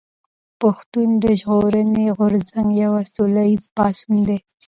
پښتون ژغورني غورځنګ يو سوله ايز پاڅون دي